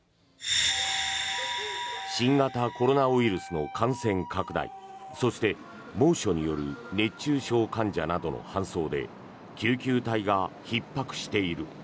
新型コロナウイルスの感染拡大そして、猛暑による熱中症患者の搬送などで救急隊がひっ迫している。